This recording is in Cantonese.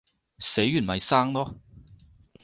死完咪生囉